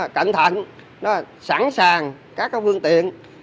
coi cẩn thận sẵn sàng các vương tiện